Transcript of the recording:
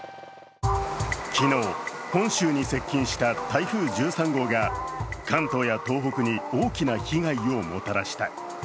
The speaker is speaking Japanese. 昨日、本州に接近した台風１３号が関東や東北に大きな被害をもたらした。